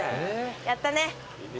やったね。